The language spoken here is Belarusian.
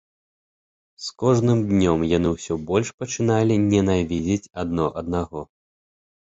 З кожным днём яны ўсё больш пачыналі ненавідзець адно аднаго.